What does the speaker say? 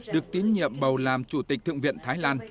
được tín nhiệm bầu làm chủ tịch thượng viện thái lan